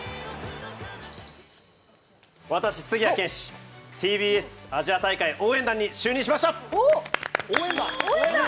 私、杉谷拳士、ＴＢＳアジア大会応援団に決定しました。